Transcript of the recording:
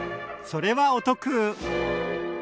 それはお得！